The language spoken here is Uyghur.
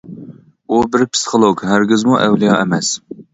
ئۇ بىر پىسخولوگ ھەرگىزمۇ ئەۋلىيا ئەمەس.